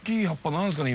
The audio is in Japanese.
何ですかね？